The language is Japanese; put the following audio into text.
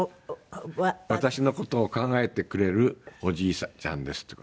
「わたしのことをかんがえてくれるおじいちゃんです」って。